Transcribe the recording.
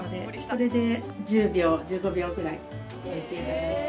これで１０秒１５秒ぐらい置いていただいて。